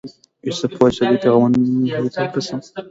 یوسف وویل چې د دوی پیغامونه نړۍ ته ورسوو.